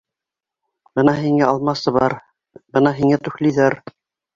Бына һиңә алмасыбар, бына һиңә туфлиҙар!